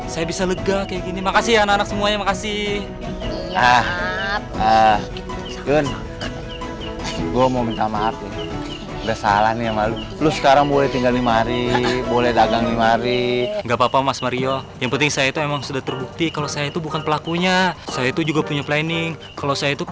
saya bisa lega kayak gini makasih anak anak semuanya makasih